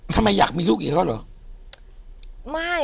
ทำไมอยากมีลูกกี่เขาหรือ